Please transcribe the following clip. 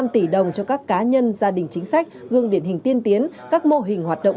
năm tỷ đồng cho các cá nhân gia đình chính sách gương điển hình tiên tiến các mô hình hoạt động